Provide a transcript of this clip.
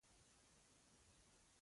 ژوندي لیکنه کوي